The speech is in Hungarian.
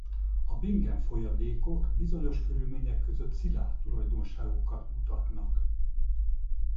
A Bingham-folyadékok bizonyos körülmények között szilárd tulajdonságokat mutatnak.